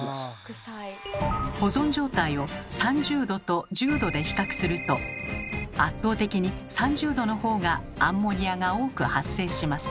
保存状態を３０℃と１０℃で比較すると圧倒的に３０℃のほうがアンモニアが多く発生します。